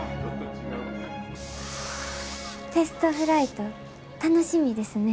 テストフライト楽しみですね。